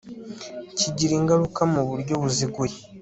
kigira ingaruka mu buryo buziguye